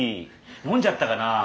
飲んじゃったかなぁ。